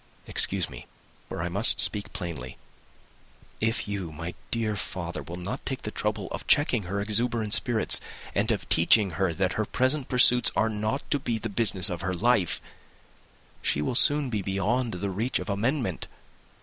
Excuse me, for I must speak plainly. If you, my dear father, will not take the trouble of checking her exuberant spirits, and of teaching her that her present pursuits are not to be the business of her life, she will soon be beyond the reach of amendment.